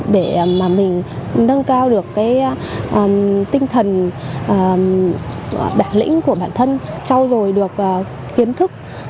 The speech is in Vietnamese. để mà mình nâng cao được cái tinh thần bản lĩnh của bản thân trao dồi được kiến thức